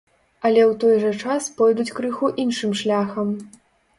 Але ў той жа час пойдуць крыху іншым шляхам.